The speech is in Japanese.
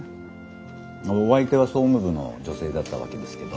お相手は総務部の女性だったわけですけど。